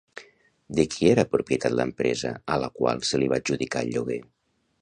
De qui era propietat l'empresa a la qual se li va adjudicar el lloguer?